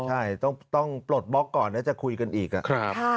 ใช่ต้องปลดบล็อกก่อนแล้วจะคุยกันอีก